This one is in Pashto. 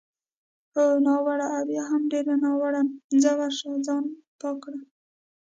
هو، ناوړه او بیا هم ډېر ناوړه، ځه ورشه ځان پاک کړه.